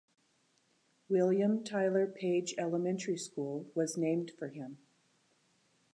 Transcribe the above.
William Tyler Page Elementary School was named for him.